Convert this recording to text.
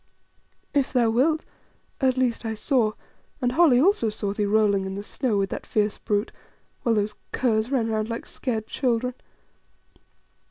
"If thou wilt, at least I saw, and Holly also saw thee rolling in the snow with that fierce brute, while those curs ran round like scared children."